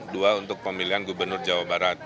dua untuk pemilihan gubernur jawa barat